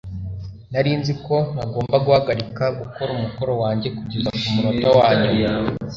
Nari nzi ko ntagomba guhagarika gukora umukoro wanjye kugeza kumunota wanyuma.